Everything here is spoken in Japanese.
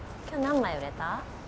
今日何枚売れた？